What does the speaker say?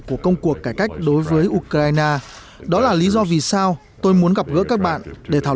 của công cuộc cải cách đối với ukraine đó là lý do vì sao tôi muốn gặp gỡ các bạn để thảo